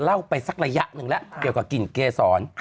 เล่าไปสักระยะหนึ่งแล้วเกี่ยวกับกลิ่นเกษร